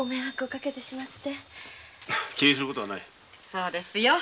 そうですよ。